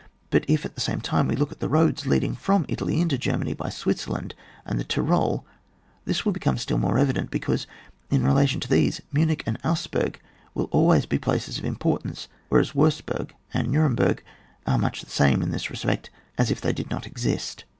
But if, at the same time, we look at the roads leading from Italy into Ger many by Switzerland and the Tyrol, this will become still more evident, because, in relation to these, Munich and Augs burg will always be places of importance, whereas Wurzburg and Nuremburg are much the same, in this respect, as if they did not exist.